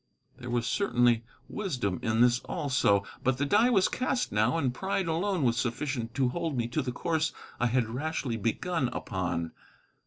There was certainly wisdom in this, also. But the die was cast now, and pride alone was sufficient to hold me to the course I had rashly begun upon.